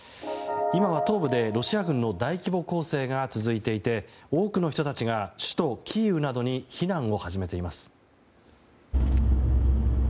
今は東部で、ロシア軍の大規模攻勢が続いていて多くの人たちが首都キーウなどに避難を始めています。